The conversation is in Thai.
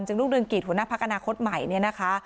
จึงลูกเรื่องกีธหัวหน้าพกนาคตใหม่นี้นะคะ